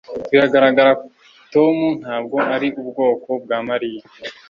Biragaragara Tom ntabwo ari ubwoko bwa Mariya